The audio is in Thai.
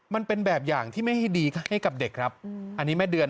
มันเป็นแบบอย่างที่ไม่ให้ดีให้กับเด็กครับอันนี้แม่เดือน